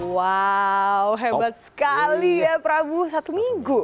wow hebat sekali ya prabu satu minggu